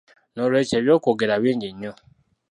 Noolwekyo eby’okwogera bingi nnyo.